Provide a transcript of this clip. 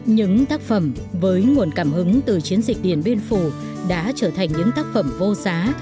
những tác phẩm với nguồn cảm hứng từ chiến dịch điện biên phủ đã trở thành những tác phẩm vô giá